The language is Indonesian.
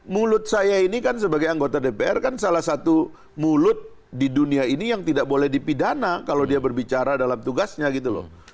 mulut saya ini kan sebagai anggota dpr kan salah satu mulut di dunia ini yang tidak boleh dipidana kalau dia berbicara dalam tugasnya gitu loh